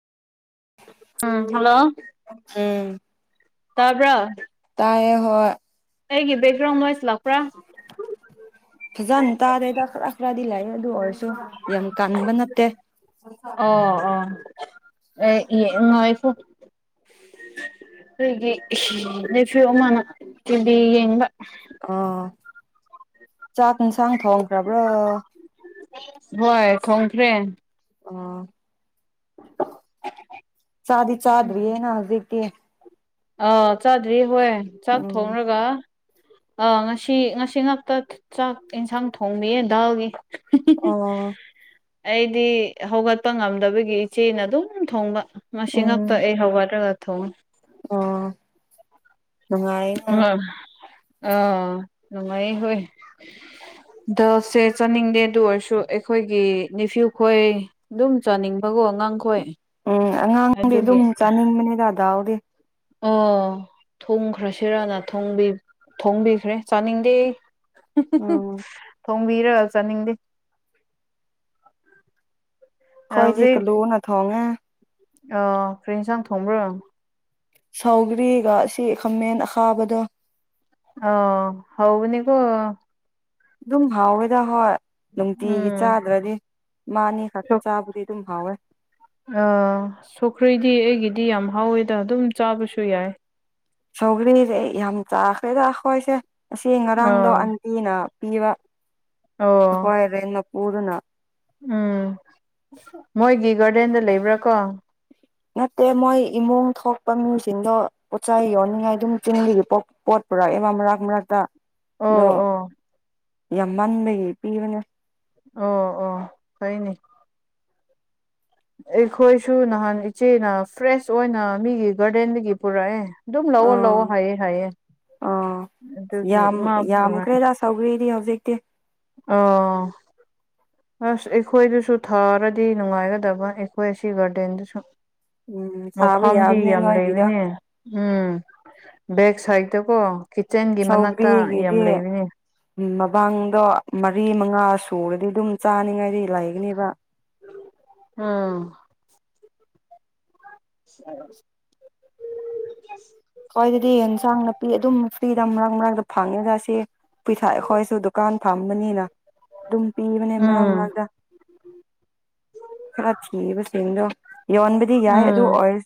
ꯎꯝ hello ꯎꯝ ꯇꯥꯕ꯭ꯔꯥ ꯇꯥꯏꯌꯦ ꯍꯣꯏ ꯑꯩꯒꯤ ꯕꯦꯛꯒ꯭ꯔꯥꯎꯟ ꯅꯣꯏꯁ ꯂꯄ꯭ꯔꯥ ꯐꯖꯅ ꯇꯥꯔꯦꯗ ꯈꯔ ꯈꯔꯗꯤ ꯂꯥꯛꯑꯦ ꯑꯗꯨ ꯑꯣꯏꯔꯁꯨ ꯌꯥꯝ ꯀꯟꯕ ꯅꯠꯇꯦ ꯑꯣ ꯑꯣ [unintelligible] ꯑꯩꯒꯤ ꯅꯦꯐꯌꯨ ꯑꯃꯅ ꯇꯤꯚꯤ ꯌꯦꯡꯕ ꯑ ꯆꯥꯛ ꯏꯟꯁꯥꯡ ꯊꯣꯡꯈ꯭ꯔꯕ꯭ꯔꯥ ꯍꯣꯏ ꯊꯣꯡꯈ꯭ꯔꯦ [unintelligible] ꯆꯥꯗꯤ ꯆꯥꯗ꯭ꯔꯤ ꯌꯦꯅ ꯍꯧꯖꯤꯛꯇꯤ ꯑꯥ ꯆꯥꯗ꯭ꯔꯤ ꯍꯣꯏ ꯆꯥꯛ ꯎꯝ ꯊꯣꯡꯔꯒ ꯑꯥ ꯉꯁꯤ ꯉꯁꯤ ꯉꯥꯛꯇ ꯆꯥꯛ ꯏꯟꯁꯥꯡ ꯊꯣꯡꯕꯤꯌꯦ ꯗꯥꯜꯒꯤ ꯑꯣ ꯑꯩꯗꯤ ꯍꯧꯒꯠꯄ ꯉꯝꯗꯕꯒꯤ ꯏꯆꯦꯅ ꯑꯗꯨꯝ ꯊꯣꯡꯕ ꯃꯁꯤ ꯉꯛꯇ ꯎꯝ ꯑꯩ ꯍꯧꯒꯠꯂꯒ ꯊꯣꯡꯎ ꯑꯣ ꯅꯨꯡꯉꯥꯏꯅ ꯑ ꯑ ꯅꯨꯡꯉꯥꯏ ꯍꯣꯏ ꯗꯥꯜꯁꯦ ꯆꯅꯤꯡꯗꯦ ꯑꯗꯨ ꯑꯣꯏꯔꯁꯨ ꯑꯩꯈꯣꯏꯒꯤ ꯅꯤꯐ꯭ꯌꯨ ꯈꯣꯏ ꯗꯨꯝ ꯆꯥꯅꯤꯡꯕꯀꯣ ꯉꯥꯡꯈꯣꯏ ꯎꯝ ꯑꯉꯥꯡꯗꯤ ꯑꯗꯨꯝ ꯆꯥꯅꯤꯡꯕꯅꯤ ꯗꯥꯗꯥꯎꯗꯤ ꯑꯣ ꯊꯣꯡꯈ꯭ꯔꯁꯤꯔꯅ ꯊꯣꯡꯕꯤꯈ꯭ꯔꯦ ꯆꯥꯅꯤꯡꯗꯦ ꯎꯝ ꯊꯣꯡꯕꯤꯔꯒ ꯆꯥꯅꯤꯡꯗꯦ ꯈꯣꯏꯗꯤ ꯀꯂꯨꯅ ꯊꯣꯡꯉꯦ ꯑꯣ ꯀꯔꯤ ꯏꯟꯁꯥꯡ ꯊꯣꯡꯕ꯭ꯔ ꯁꯥꯎꯒ꯭ꯔꯤꯒ ꯁꯤ ꯈꯥꯃꯦꯟ ꯑꯈꯥꯕꯗꯣ ꯑꯣ ꯍꯧꯕꯅꯦꯀꯣ ꯑꯗꯨꯝ ꯍꯥꯎꯋꯦꯗꯥ ꯍꯣꯏ ꯅꯨꯡꯇꯤꯒꯤ ꯎꯝ ꯆꯥꯗ꯭ꯔꯗꯤ ꯃꯥꯅꯤ ꯈꯛꯇ ꯆꯥꯕꯨꯗꯤ ꯑꯗꯨꯝ ꯍꯥꯎꯋꯦ ꯑ ꯁꯣꯈ꯭ꯔꯩꯗꯤ ꯑꯩꯒꯤꯗꯤ ꯌꯥꯝ ꯍꯥꯎꯋꯦꯗ ꯑꯗꯨꯝ ꯆꯥꯕꯁꯨ ꯌꯥꯏ ꯁꯧꯒ꯭ꯔꯤꯁꯦ ꯑꯩ ꯌꯥꯝ ꯆꯥꯈ꯭ꯔꯦꯗ ꯑꯩꯈꯣꯏꯁꯦ ꯑꯁꯤ ꯉꯔꯥꯡꯗꯣ ꯑꯥ ꯄꯤꯅ ꯄꯤꯕ ꯑꯣ ꯍꯣꯏꯔꯦꯟ ꯃ ꯄꯨꯗꯨꯅ ꯎꯝ ꯃꯣꯏꯒꯤ ꯒꯥꯔꯗꯦꯟꯗ ꯂꯩꯕ꯭ꯔꯥ ꯀꯣ ꯅꯠꯇꯦ ꯃꯣꯏ ꯏꯃꯨꯡ ꯊꯣꯛꯄ ꯃꯤꯁꯤꯡꯗꯣ ꯄꯣꯠꯆꯥꯏ ꯌꯣꯟꯅꯤꯡꯉꯥꯏ ꯑꯗꯨꯝ ꯆꯤꯟꯕꯤꯒꯤ ꯄꯣꯛ ꯄꯠ ꯄꯨꯔꯒ ꯑꯦꯕ ꯑꯃꯔꯛ ꯃꯔꯛ ꯑꯣ ꯑꯣ ꯌꯥꯝ ꯃꯟꯕꯒꯤ ꯄꯤꯕꯅꯦ ꯑꯣ ꯑꯣ ꯐꯩꯅꯦ ꯑꯩꯈꯣꯏꯁꯨ ꯅꯍꯥꯟ ꯏꯆꯦꯅ ꯐ꯭ꯔꯦꯁ ꯑꯣꯏꯅ ꯃꯤꯒꯤ ꯒꯥꯔꯗꯦꯟꯗꯒꯤ ꯄꯨꯔꯛꯑꯦ ꯑꯗꯨꯝ ꯂꯧꯑꯣ ꯑꯥ ꯂꯧꯑꯣ ꯍꯥꯏꯌꯦ ꯍꯥꯏꯌꯦ ꯑꯥ ꯑꯗꯨꯒꯤ ꯃꯥ ꯄꯨꯔꯥ ꯇꯧꯈ꯭ꯔꯤꯗꯤ ꯍꯧꯖꯤꯛꯇꯤ ꯑꯣ ꯑꯁ ꯑꯩꯈꯣꯏꯗꯨꯁꯨ ꯊꯥꯔꯗꯤ ꯅꯨꯡꯉꯥꯏꯒꯗꯕ ꯑꯩꯈꯣꯏ ꯑꯁꯤ ꯒꯥꯔꯗꯦꯟꯗꯨꯁꯨ ꯎꯝ ꯁꯥꯕ ꯃꯐꯝꯗꯤ ꯌꯥꯕꯅꯦ ꯌꯥꯝ ꯅꯣꯏꯒꯤꯗꯣ ꯂꯩꯕꯅꯦ ꯎꯝ ꯕꯦꯛ ꯁꯥꯏꯠꯇꯀꯣ ꯀꯤꯠꯆꯦꯟꯒꯤ ꯃꯅꯥꯛꯇ ꯌꯥꯝ ꯂꯩꯕꯅꯤ ꯎ ꯃꯃꯥꯡꯗꯣ ꯃꯔꯤ ꯃꯉꯥ ꯁꯨꯔꯗꯤ ꯑꯗꯨꯝ ꯆꯥꯅꯤꯡꯉꯥꯏꯗꯤ ꯂꯩꯒꯅꯦꯕ ꯎꯝ ꯍ ꯈ꯭ꯋꯥꯏꯗꯗꯤ ꯌꯦꯟꯁꯥꯡ ꯅꯥꯄꯤ ꯑꯗꯨꯝ ꯐ꯭ꯔꯤꯗ ꯃꯔꯛ ꯃꯔꯛꯇ ꯐꯪꯉꯦꯖ ꯁꯤ ꯄꯨꯊꯛꯑꯦ ꯑꯩꯈꯣꯏꯁꯨ ꯗꯨꯀꯥꯟ ꯐꯝꯕꯅꯤꯅ ꯑꯗꯨꯝ ꯄꯤꯕꯅꯦ ꯃꯔꯥꯡ ꯎꯝ ꯃꯔꯥꯡꯇ ꯈꯔ ꯊꯤꯕꯁꯤꯡꯗꯣ ꯌꯣꯟꯕꯗꯤ ꯌꯥꯏ ꯑꯗꯨ ꯎꯝ ꯑꯣꯏꯔ